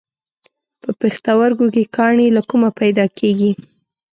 په پښتورګو کې کاڼي له کومه پیدا کېږي؟